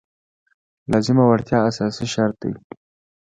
لازمه وړتیا اساسي شرط دی.